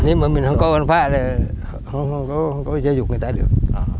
nhưng mà mình không có con phạm là không có giới dục người ta được